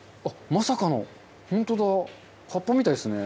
まさかのホントだ葉っぱみたいですね。